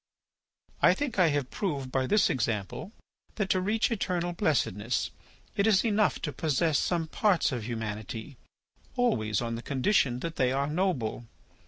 "I think I have proved by this example that, to reach eternal blessedness, it is enough to possess some parts of humanity, always on the condition that they are noble.